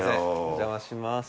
お邪魔します。